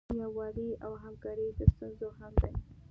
یووالی او همکاري د ستونزو حل دی.